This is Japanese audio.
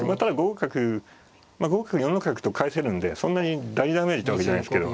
５五角４六角と返せるんでそんなに大ダメージってわけじゃないですけど。